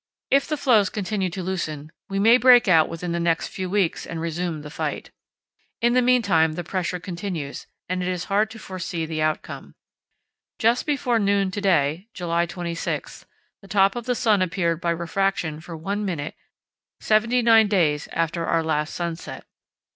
If the floes continue to loosen, we may break out within the next few weeks and resume the fight. In the meantime the pressure continues, and it is hard to foresee the outcome. Just before noon to day (July 26) the top of the sun appeared by refraction for one minute, seventy nine days after our last sunset.